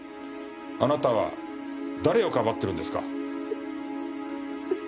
あなたは誰をかばってるんですか？